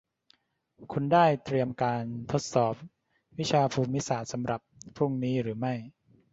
คุณได้เตรียมการทดสอบวิชาภูมิศาสตร์สำหรับพรุ่งนี้หรือไม่